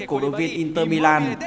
của đội viên inter milan